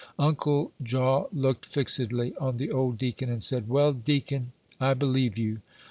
Uncle Jaw looked fixedly on the old deacon, and said, "Well, deacon, I believe you.